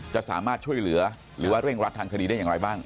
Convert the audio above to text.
จะสามารถช่วยเหลือหรือว่าเร่งรัดทางคดีได้อย่างไรบ้าง